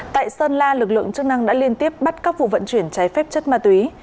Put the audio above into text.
tại sơn la lực lượng chức năng đã liên tiếp bắt các vụ vận chuyển trái phép chất ma túy